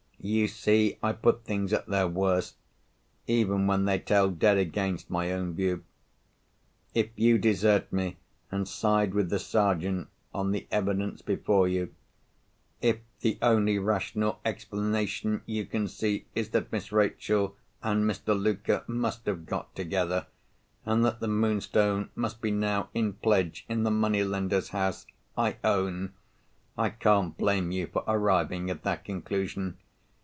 You see, I put things at their worst, even when they tell dead against my own view. If you desert me, and side with the Sergeant, on the evidence before you—if the only rational explanation you can see is, that Miss Rachel and Mr. Luker must have got together, and that the Moonstone must be now in pledge in the money lender's house—I own, I can't blame you for arriving at that conclusion.